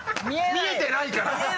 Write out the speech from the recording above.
見えてないから！